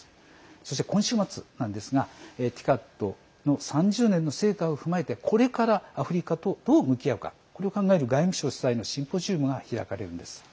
そして、今週末なんですがＴＩＣＡＤの３０年の成果を踏まえてこれからアフリカとどう向き合うかを考える外務省主催のシンポジウムが開かれるんです。